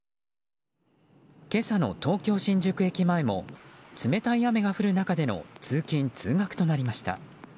今朝の東京・新宿駅前も冷たい雨が降る中での通勤・通学となりました。